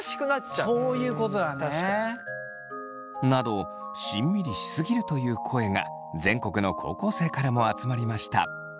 そういうことなんだね。などしんみりし過ぎるという声が全国の高校生からも集まりました。